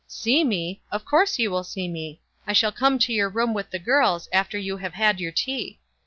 "See me! of course you will see me. I shall come into your room with the girls, after you have had your tea."